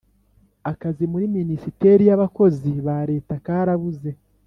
Akazi Muri Minisiteri Y Abakozi Ba Leta Karabuze